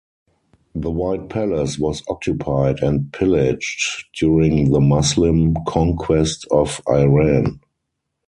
The White Palace was occupied and pillaged during the Muslim conquest of Iran.